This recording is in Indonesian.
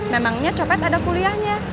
memangnya copet ada kuliahnya